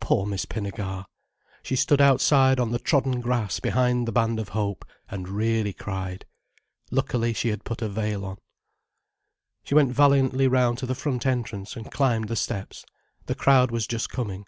Poor Miss Pinnegar! She stood outside on the trodden grass behind the Band of Hope, and really cried. Luckily she had put a veil on. She went valiantly round to the front entrance, and climbed the steps. The crowd was just coming.